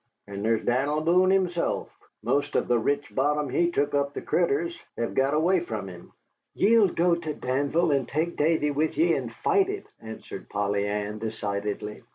And thar's Dan'l Boone, himself. Most the rich bottom he tuck up the critters hev got away from him." "Ye'll go to Danville and take Davy with ye and fight it," answered Polly Ann, decidedly.